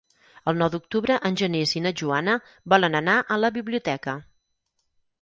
El nou d'octubre en Genís i na Joana volen anar a la biblioteca.